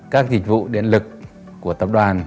các dịch vụ điện lực của tập đoàn